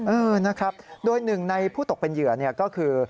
เออนะครับโดยหนึ่งในผู้ตกเป็นเหยื่อก็คือ